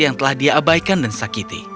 yang telah dia abaikan dan sakiti